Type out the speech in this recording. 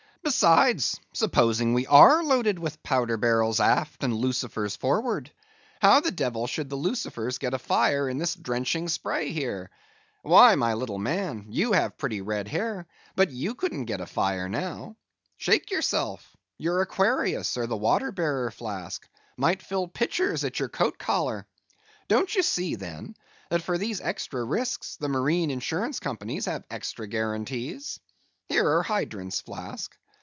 Besides, supposing we are loaded with powder barrels aft and lucifers forward; how the devil could the lucifers get afire in this drenching spray here? Why, my little man, you have pretty red hair, but you couldn't get afire now. Shake yourself; you're Aquarius, or the water bearer, Flask; might fill pitchers at your coat collar. Don't you see, then, that for these extra risks the Marine Insurance companies have extra guarantees? Here are hydrants, Flask.